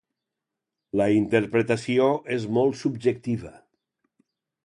La interpretació és molt subjectiva.